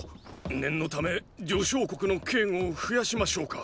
念のため呂相国の警護を増やしましょうか。